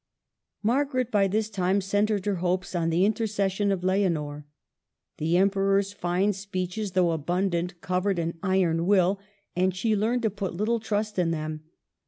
Margaret, by this time, centred her hopes on the intercession of Leonor. The Emperor's fine speeches, though abundant, covered an iron will, and she learned to put little trust in them.